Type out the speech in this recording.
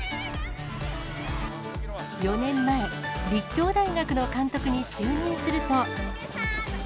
４年前、立教大学の監督に就任すると。